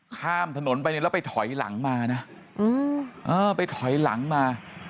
ข้ามถนนไปเนี่ยแล้วไปถอยหลังมานะเออไปถอยหลังมา